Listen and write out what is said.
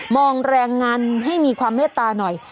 องแรงงานให้มีความเมตตาหน่อย